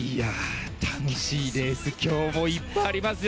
楽しいレース今日もいっぱいありますよ。